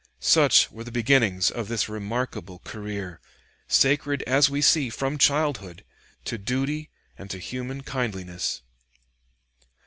Such were the beginnings of this remarkable career, sacred as we see from childhood, to duty and to human kindliness.